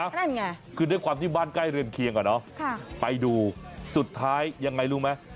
นั่นไงคือด้วยความที่บ้านใกล้เรือนเคียงอ่ะเนาะไปดูสุดท้ายยังไงรู้ไหม